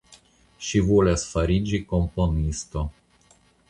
Ŝi volas fariĝi komponisto.